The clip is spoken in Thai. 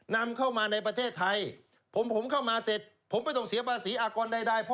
นำเข้ามาในประเทศไทยผมเข้ามาเสร็จผมไม่ต้องเสียภาษีอากรใด